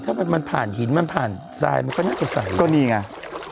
ถ้ามันผ่านหินมันผ่านทรายมันก็น่าจะใสก็นี่ไง